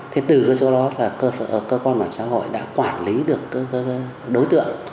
thế từ cái chỗ đó là cơ quan bảo hiểm xã hội đã quản lý được các đối tượng